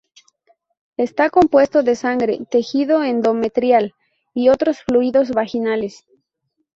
Está compuesto de sangre, tejido endometrial y otros fluidos vaginales.